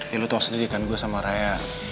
ya lo tau sendiri kan gue sama raya